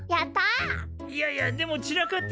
いやいやでも散らかってるよ？